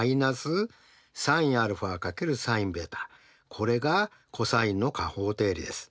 これがｃｏｓの加法定理です。